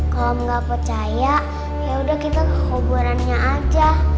kalau gak percaya yaudah kita ngoburannya aja